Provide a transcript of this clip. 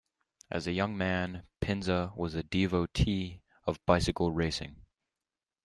As a young man, Pinza was a devotee of bicycle racing.